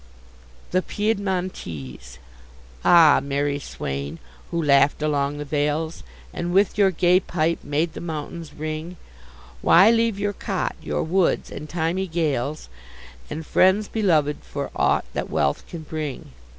THE PIEDMONTESE Ah, merry swain, who laugh'd along the vales, And with your gay pipe made the mountains ring, Why leave your cot, your woods, and thymy gales, And friends belov'd, for aught that wealth can bring?